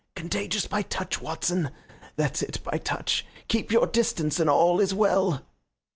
"Contagious by touch, Watson that's it, by touch. Keep your distance and all is well."